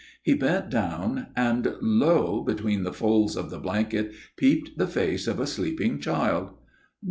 He bent down, and lo! between the folds of the blanket peeped the face of a sleeping child.